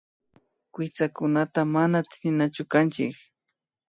Kuytsakunataka mana tsininachu kanchik